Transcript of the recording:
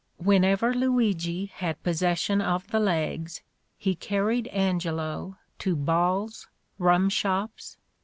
"Whenever Luigi had possession of the legs, he car ried Angelo to balls, rumshops.